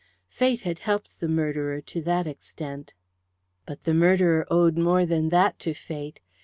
Fate had helped the murderer to that extent. But the murderer owed more than that to Fate.